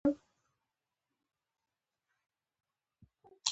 زما دا توره د اسلام توره ده.